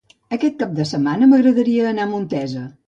Aquest cap de setmana m'agradaria anar a Montesa.